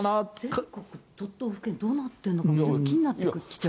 全国の都道府県どうなってるのか、気になってきた。